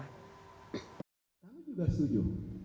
saya juga setuju